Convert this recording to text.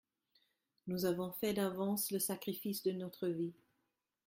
Nous avons fait d'avance le sacrifice de notre vie.